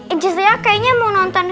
eh justru ya kayaknya mau nonton